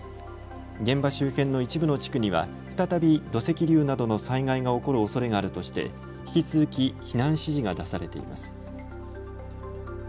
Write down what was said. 現場周辺の一部の地区には再び土石流などの災害が起こるおそれがあるとして引き続き避難指示が出されています。